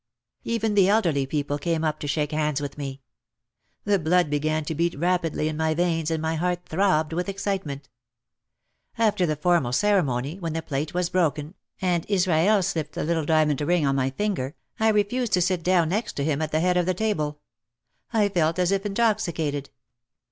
Even the elderly people came up to shake hands with me. The blood began to beat rapidly in my veins and my heart throbbed with excitement. After the formal ceremony, when the plate was broken, and Israel slipped the little diamond ring on my finger, I refused to sit down next to him at the head of the table. I felt as if intoxicated.